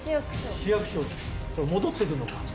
市役所戻ってくんのか。